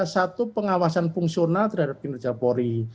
satu pengawasan fungsional terhadap kinerja polri